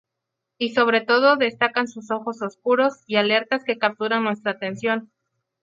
Y sobre todo destacan sus ojos oscuros y alertas que capturan nuestra atención.